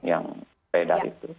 yang beda itu